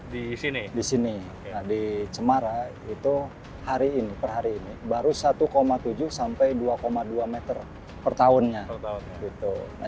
di sini di sini di cemara itu hari ini per hari ini baru satu tujuh sampai dua dua meter per tahunnya